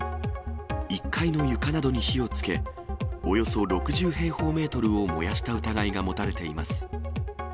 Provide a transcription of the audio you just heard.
１階の床などに火をつけ、およそ６０平方メートルを燃やした疑いが持たれています。